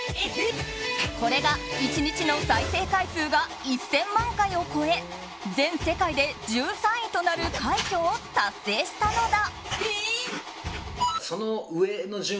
これが１日の再生回数が１０００万回を超え全世界で１３位となる快挙を達成したのだ。